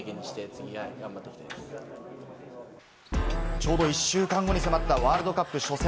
ちょうど１週間後に迫ったワールドカップ初戦。